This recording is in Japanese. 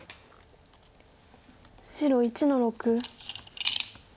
白１の六。